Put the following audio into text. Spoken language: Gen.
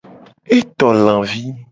E to lavi.